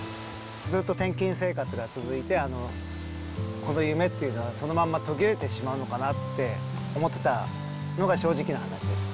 ずっと転勤生活が続いて、この夢っていうのは、そのまんま途切れてしまうのかなって思ってたのが正直な話です。